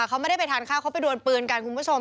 เขาไม่ได้ไปทานข้าวเขาไปดวนปืนกันคุณผู้ชม